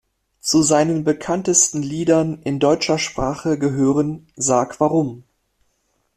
Zu seinen bekanntesten Liedern in deutscher Sprache gehören "Sag warum?